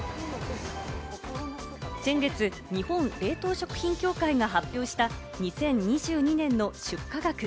先月、日本冷凍食品協会が発表した２０２２年の出荷額。